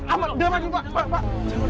amat diam aja pak pak pak